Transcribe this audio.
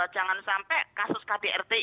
jangan sampai kasus kdrt